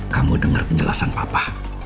kamu denger penjelasan papa